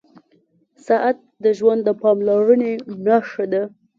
• ساعت د ژوند د پاملرنې نښه ده.